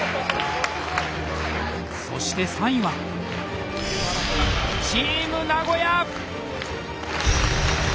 そして３位はチーム名古屋！